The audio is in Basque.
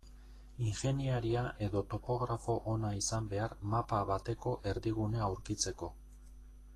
Ingeniaria edo topografo ona izan behar mapa bateko erdigunea aurkitzeko.